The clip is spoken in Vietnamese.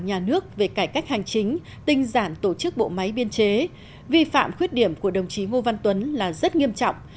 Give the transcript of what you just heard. nhà nước về cải cách hành chính tinh giản tổ chức bộ máy biên chế vi phạm khuyết điểm của đồng chí ngô văn tuấn là rất nghiêm trọng